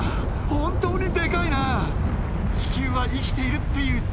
本当にデカいな。